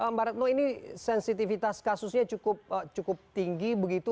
mbak retno ini sensitivitas kasusnya cukup tinggi begitu